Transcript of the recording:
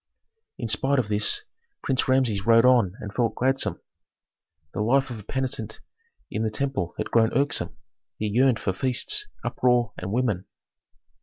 In spite of this Prince Rameses rode on and felt gladsome. The life of a penitent in the temple had grown irksome; he yearned for feasts, uproar, and women.